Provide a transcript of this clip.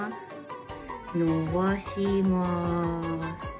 伸ばします。